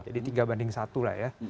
jadi tiga banding satu lah ya